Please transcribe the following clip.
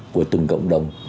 của từng cộng đồng